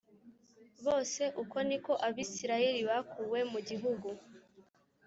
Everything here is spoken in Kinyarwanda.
bose Uko ni ko Abisirayeli bakuwe mu gihugu